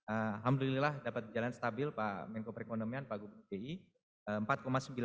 alhamdulillah dapat berjalan stabil pak menko perekonomian pak gubernur bi